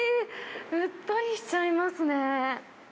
うっとりしちゃいますね。